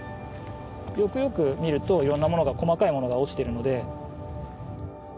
よくよく見ると、いろんなものが、細かいものが落ちてるんで。